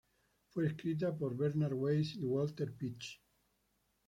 Fue escrita por Bernhard Weiss y Walter Pietsch.